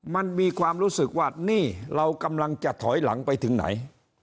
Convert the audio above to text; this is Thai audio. มันมีความรู้สึกว่านี่เรากำลังจะถอยหลังไปถึงไหน